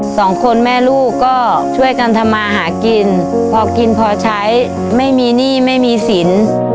สองคนแม่ลูกก็ช่วยกันทำมาหากินพอกินพอใช้ไม่มีหนี้ไม่มีสิน